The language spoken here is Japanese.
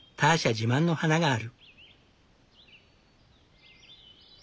自慢の花がある。